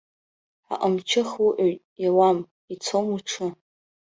Аҟамчы ахуҟьоит, иауам, ицом уҽы.